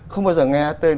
không bao giờ nghe tên